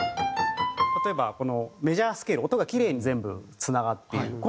例えばこのメジャースケール音がキレイに全部つながっている。